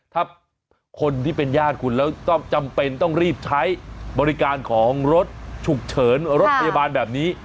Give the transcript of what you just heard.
ถ้าคนที่เป็นญาติคุณแล้วต้องจำเป็นต้องรีบใช้บริการของรถฉุกเฉินรถพยาบาลแบบนี้